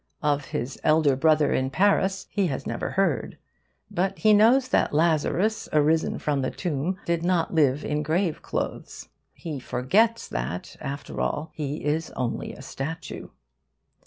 Of his elder brother in Paris he has never heard; but he knows that Lazarus arisen from the tomb did not live in grave clothes. He forgets that after all he is only a statue.